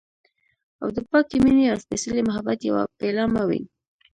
که د پاکې مينې او سپیڅلي محبت يوه پيلامه وي.